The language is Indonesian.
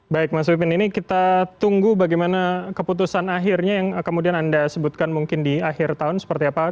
baik mas pipin ini kita tunggu bagaimana keputusan akhirnya yang kemudian anda sebutkan mungkin di akhir tahun seperti apa